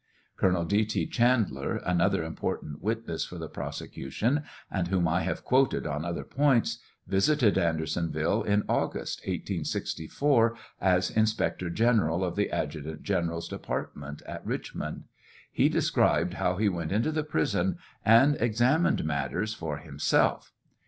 Colonel D. T. Chandler, another important witness for the prosecntion, and whom I have quoted on other points, visited Andersonville in August, 18G4, as inspector general of the adjutant gen eral's department at Richmond. He described how he went into the prison and examined matters for himself.